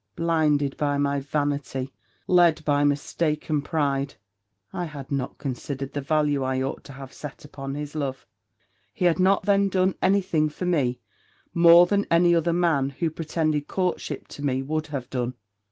Blinded by my vanity led by mistaken pride I had not considered the value I ought to have set upon his love. He had not then done any thing for me more than any other man, who pretended courtship to me, would have done.